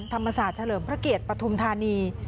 ธรรมศาสตร์เฉลิมพระเกียรติปฐุมธานี